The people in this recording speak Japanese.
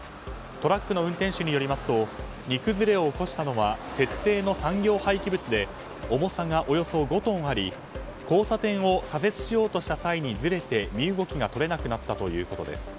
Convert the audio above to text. トラックの運転手によりますと荷崩れを起こしたのは鉄製の産業廃棄物で重さがおよそ５トンあり交差点を左折しようとした際にずれて、身動きがとれなくなったということです。